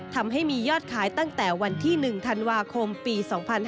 ทำให้มียอดขายตั้งแต่วันที่๑ธันวาคมปี๒๕๕๙